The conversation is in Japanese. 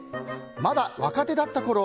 まだ若手だったころ